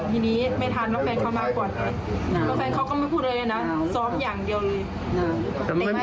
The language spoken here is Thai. ทีนี้ไม่ทันแล้วแฟนเขามากกว่า